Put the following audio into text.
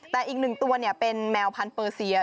แต่อีกหนึ่งตัวเป็นแมวพันธเปอร์เซีย